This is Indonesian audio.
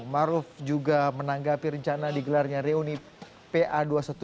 maruf juga menanggapi rencana digelarnya reuni pa dua ratus dua belas